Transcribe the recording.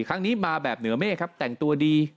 ครั้งนี้มาแบบเหนือเมฆครับแต่งตัวดี